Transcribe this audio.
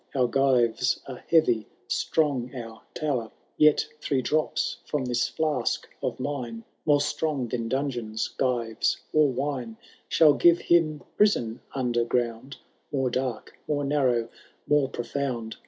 Our gyres are heavy, strong our tower ; Yet three drops from this flask of mine^ More strong than dungeons, gyres, or wine. Shall give him prison under ground More dark, more narrow, mora profound.